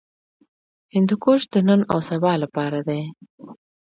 هندوکش د نن او سبا لپاره دی.